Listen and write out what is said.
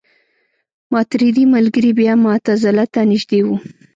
ماتریدي ملګري بیا معتزله ته نژدې وو.